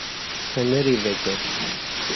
Fenerê veke.